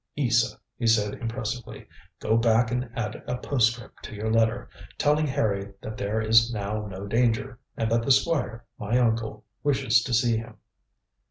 "Isa," he said, impressively, "go back and add a postscript to your letter, telling Harry that there is now no danger, and that the Squire, my uncle, wishes to see him."